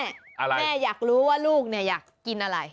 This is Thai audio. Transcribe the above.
แม่อยากรู้ว่าลูกเนี่ยอยากกินอะไร